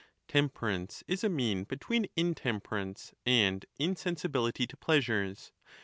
Temperance is a mean between intemperance and in 21 sensibility to pleasures.